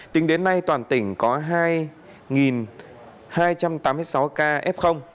tính đến nay toàn tỉnh có hai hai trăm tám mươi sáu ca f